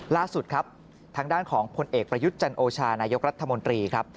ล่าสุดครับทางด้านของผลเอกประยุทธ์จันโอชานายกรัฐมนตรีครับ